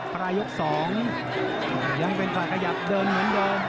ปลายกสองยังเป็นคนขยับเดินมันดีมาก